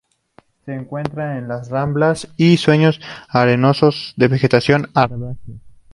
Se encuentra en las ramblas y suelos arenosos con vegetación herbácea.